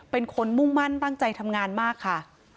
เป็นคนมุ่งมั่นตั้งใจทำงานมากค่ะ